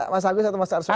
mas agus atau mas arsuf